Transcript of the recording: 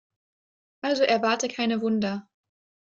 Also erwarte keine Wunder.